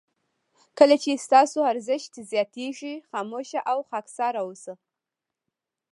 کله چې ستاسو ارزښت زیاتېږي خاموشه او خاکساره اوسه.